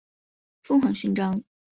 凤凰勋章是希腊所颁授的一种勋章。